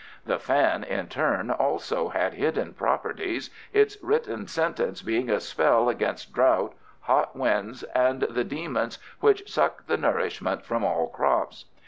The fan, in turn, also had hidden properties, its written sentence being a spell against drought, hot winds, and the demons which suck the nourishment from all crops.